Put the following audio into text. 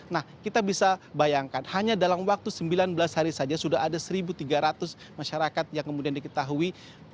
nah kita bisa bayangkan hanya dalam waktu sembilan belas hari saja sudah ada satu tiga ratus masyarakat yang kemudian diketahui